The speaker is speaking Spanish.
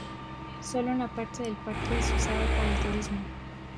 Sólo una parte del parque es usada para el turismo.